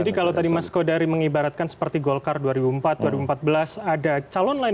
jadi kalau tadi mas kodari mengibaratkan seperti golkar dua ribu empat dua ribu empat belas ada calon lain